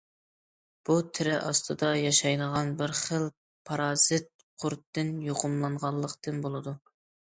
بۇ تېرە ئاستىدا ياشايدىغان بىر خىل پارازىت قۇرۇتتىن يۇقۇملانغانلىقتىن بولىدۇ.